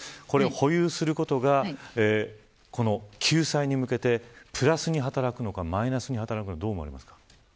保有することが救済に向けてプラスに働くのかマイナスに働くのか